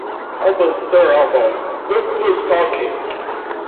Alban's third album Look Who's Talking!